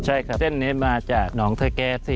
ใช่ครับเส้นนี้มาจากหนองเทอร์แก๊ส